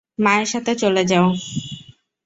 মায়ের সাথে চলে যাও।